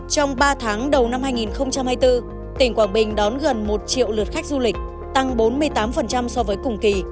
trong ba tháng đầu năm hai nghìn hai mươi bốn tỉnh quảng bình đón gần một triệu lượt khách du lịch tăng bốn mươi tám so với cùng kỳ